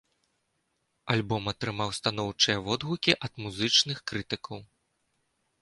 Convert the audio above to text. Альбом атрымаў станоўчыя водгукі ад музычных крытыкаў.